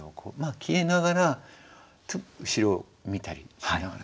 消えながら後ろを見たりしながら。